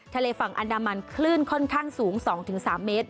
ทะเลฝั่งอันดามันคลื่นค่อนข้างสูง๒๓เมตร